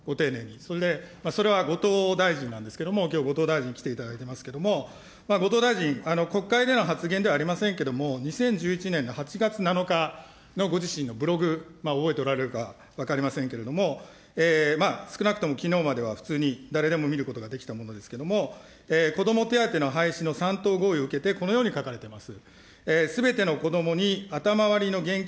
それでそれは後藤大臣なんですけれども、きょう、後藤大臣来ていただいてますけれども、後藤大臣、国会での発言ではありませんけれども、２０１１年の８月７日のご自身のブログ、覚えておられるか分かりませんけれども、少なくともきのうまでは普通に誰でも見ることができたものですけれども、子ども手当の廃止の３党合意を受けてこのように書かれています。